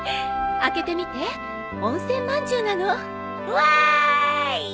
開けてみて温泉まんじゅうなの。わい！